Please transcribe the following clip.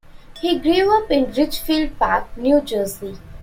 He grew up in Ridgefield Park, New Jersey.